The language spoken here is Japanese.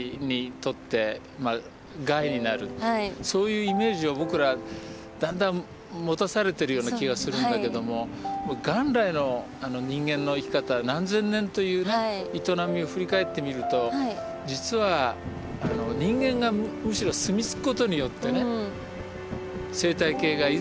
そういうイメージを僕らだんだん持たされてるような気がするんだけども元来の人間の生き方何千年という営みを振り返ってみると実はたくさんそういう例はあるんですよね。